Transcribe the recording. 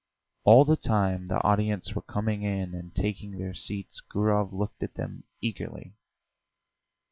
All the time the audience were coming in and taking their seats Gurov looked at them eagerly.